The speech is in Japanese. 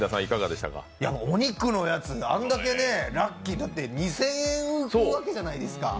お肉のやつ、あんだけラッキー、だって２０００円分浮くわけじゃないですか。